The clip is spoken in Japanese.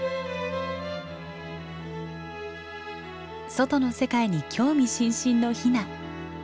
外の世界に興味津々のヒナ。